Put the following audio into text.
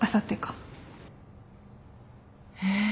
えっ。